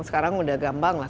sekarang udah gambang lah